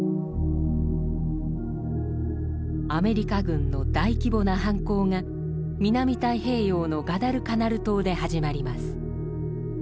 アメリカ軍の大規模な反攻が南太平洋のガダルカナル島で始まります。